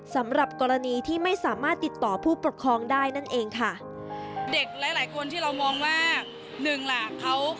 สำหรับกรณีที่ไม่สามารถติดต่อผู้ประคองได้นั่นเองค่ะ